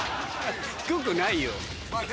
低くないよ。